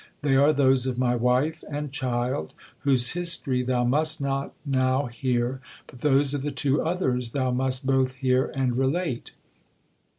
They are those of my wife and child, whose history thou must not now hear—but those of the two others thou must both hear and relate.'